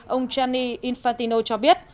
ông gianni infantino cho biết